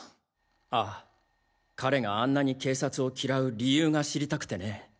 ああ彼があんなに警察を嫌う理由が知りたくてね。